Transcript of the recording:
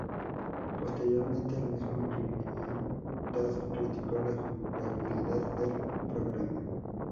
Posteriormente, el mismo Julian Todd criticó la jugabilidad del programa.